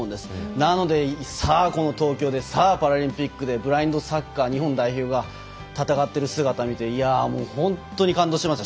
なのでさあこの東京でさあパラリンピックでブラインドサッカー日本代表が戦っている姿を見て本当に感動しました。